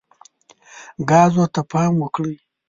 ګازو ته پام وکړئ.